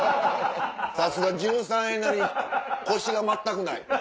さすが１３円なりのコシが全くない。